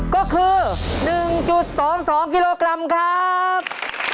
ก็คือ๑๒๒กิโลกรัมครับ